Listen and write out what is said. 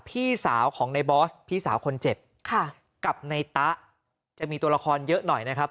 พี่สาวของในบอสพี่สาวคนเจ็บค่ะกับในตะจะมีตัวละครเยอะหน่อยนะครับ